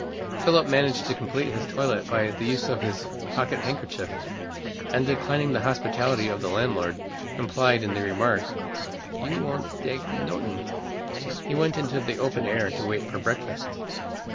Philip managed to complete his toilet by the use of his pocket handkerchief, and declining the hospitality of the landlord, implied in the remark, "You won'd dake notin'?" he went into the open air to wait for breakfast.